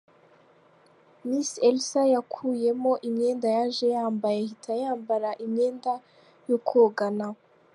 Miss Elsa yakuyemo imyenda yaje yambaye, ahita yambara imyenda yo kogana,.